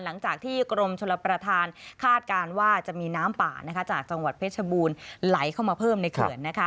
หลังจากที่กรมชลประธานคาดการณ์ว่าจะมีน้ำป่าจากจังหวัดเพชรบูรณ์ไหลเข้ามาเพิ่มในเขื่อน